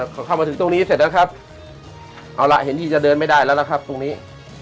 พอเข้ามาถึงตรงนี้เสร็จแล้วครับเอาล่ะเห็นที่จะเดินไม่ได้แล้วล่ะครับตรงนี้